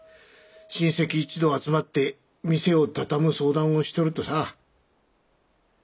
親戚一同集まって店を畳む相談をしとるとさ。